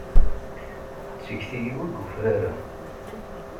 D tikti-iw i yufraren.